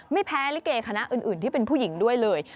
ไม่แพ้ลิเกคณะอื่นที่เป็นผู้หญิงด้วยเลย